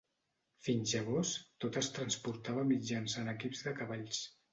Fins llavors, tot es transportava mitjançant equips de cavalls.